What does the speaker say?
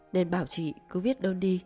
nên bảo chị cứ viết đơn đi